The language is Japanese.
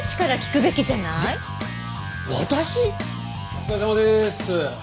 お疲れさまです。